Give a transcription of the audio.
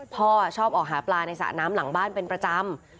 พ่อชอบออกหาปลาในสระน้ำหลังบ้านเป็นประจำ